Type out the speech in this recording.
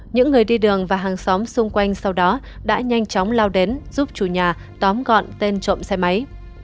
những người đi đường và hàng xóm xung quanh sau đó đã nhanh chóng lao đến giúp chủ nhà tóm gọn tên trộm xe máy